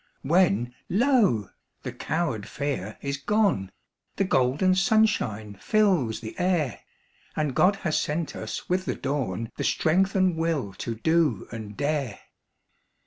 When, lo! the coward fear is gone The golden sunshine fills the air, And God has sent us with the dawn The strength and will to do and dare.